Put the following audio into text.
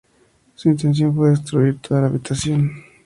Su intención fue destruir toda la habitación.